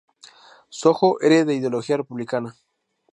Sojo era de ideología republicana.